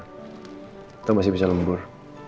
atau masih bisa lembur